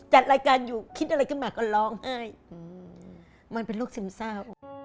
จัดรายการอยู่คิดอะไรขึ้นมาก็ร้องไห้มันเป็นโรคซึมเศร้า